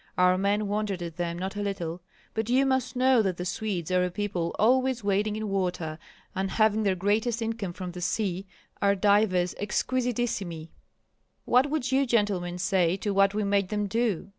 Our men wondered at them not a little, for you must know that the Swedes as a people always wading in water and having their greatest income from the sea, are divers exquisitissimi. What would you, gentlemen, say to what we made them do?